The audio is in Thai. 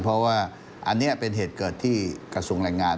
เพราะว่าอันนี้เป็นเหตุเกิดที่กระทรวงแรงงาน